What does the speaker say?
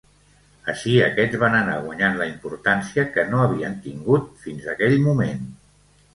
Així, aquests van anar guanyant la importància que no havien tingut fins aquell moment.